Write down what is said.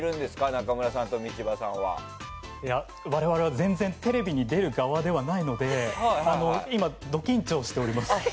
中村さんと我々は全然テレビに出る側ではないので今、ド緊張しております。